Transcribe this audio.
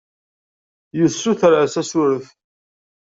Yessuter-as asuref.